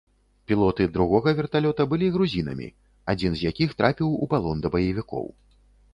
Пілоты другога верталёта былі грузінамі, адзін з якіх трапіў у палон да баевікоў.